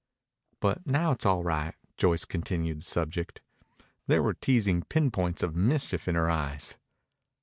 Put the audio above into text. "But now it's all right." Joyce changed the subject. There were teasing pinpoints of mischief in her eyes.